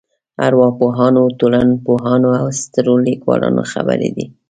ارواپوهانو ټولنپوهانو او سترو لیکوالانو خبرې دي.